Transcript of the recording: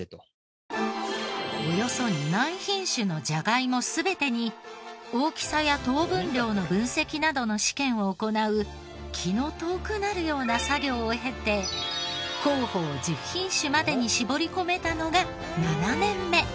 およそ２万品種のじゃがいも全てに大きさや糖分量の分析などの試験を行う気の遠くなるような作業を経て候補を１０品種までに絞り込めたのが７年目。